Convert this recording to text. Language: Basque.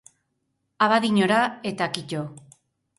Abadiñora, eta kito.